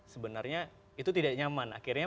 sebenarnya itu tidak nyaman akhirnya